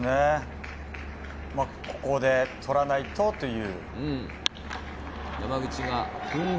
ここで取らないと！という。